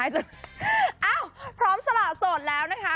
พร้อมสละโสดแล้วนะคะ